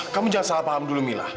kamu jangan salah paham dulu mila